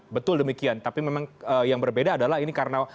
betul demikian tapi memang yang berbeda adalah ini karena